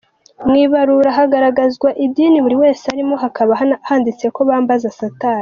Mu ibarura hagaragazwaga idini buri wese arimo, hakaba n’abanditse ko bambaza satani.